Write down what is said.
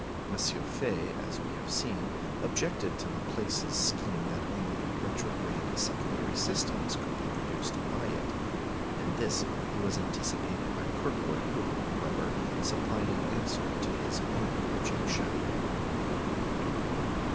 M. Faye, as we have seen, objected to Laplace's scheme that only retrograde secondary systems could be produced by it. In this he was anticipated by Kirkwood, who, however, supplied an answer to his own objection.